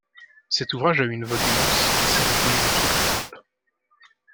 Cet ouvrage a eu une vogue immense et s'est répandu dans toute l'Europe.